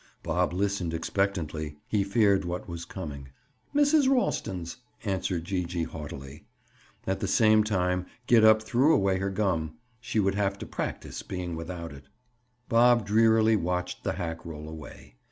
Bob listened expectantly. He feared what was coming. "Mrs. Ralston's," answered Gee gee haughtily. At the same time Gid up threw away her gum. She would have to practise being without it. Bob drearily watched the hack roll away.